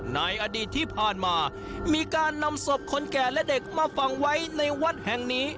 ในอดีตที่ผ่านมามีการนำศพคนแก่และเด็กมาฝังไว้ในวัดแห่งนี้